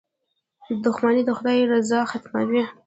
• دښمني د خدای رضا ختموي.